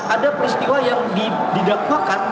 ada peristiwa yang didakwakan